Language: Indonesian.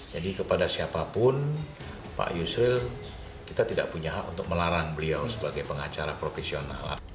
jadi kepada siapapun pak yusril kita tidak punya hak untuk melarang beliau sebagai pengacara profesional